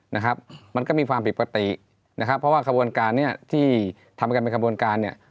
นะครับมันก็มีความผิดปกตินะครับเพราะว่าขบวนการเนี้ยที่ทำกันเป็นขบวนการเนี่ย